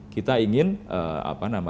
kita ingin industri ini tetap tumbuh